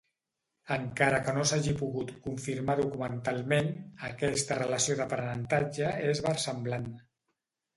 Encara que no s'hagi pogut confirmar documentalment, aquesta relació d'aprenentatge és versemblant.